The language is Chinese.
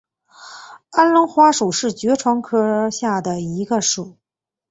安龙花属是爵床科下的一个属。